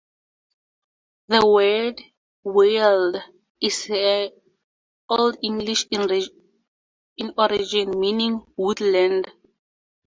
The word "Weald" is Old English in origin, meaning woodland.